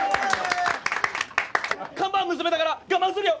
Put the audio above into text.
看板娘だから我慢するよ！